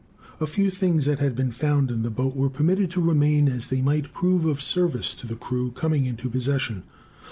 A few things that had been found in the boat were permitted to remain: as they might prove of service to the crew coming into possession.